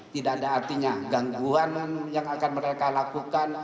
tidak ada artinya gangguan yang akan mereka lakukan